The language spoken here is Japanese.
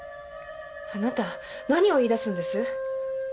あなた何を言い出すんです？